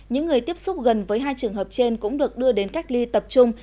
những người tiếp xúc gần với hai trường hợp trên cũng được đưa đến cách ly tập trung